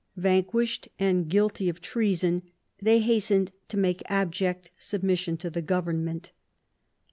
Vanquished and guilty of treason, they hastened to make abject submission to the government.